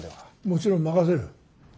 もちろん任せる。